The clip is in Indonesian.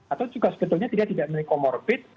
atau juga sebetulnya tidak menikomorbid